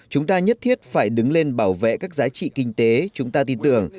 chúng ta nhất thiết phải đứng lên bảo vệ các giá trị kinh tế chúng ta tin tưởng